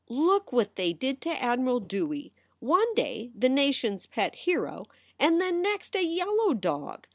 "Look what they did to Admiral Dewey one day the nation s pet hero, and the next a yellow dog.